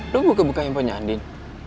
lo buka buka handphone nya andien